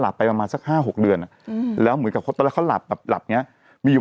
มันมีความสุขมากเลยตอนที่แบบคุณแม่เขาหลับไปประมาณสัก๕๖เดือน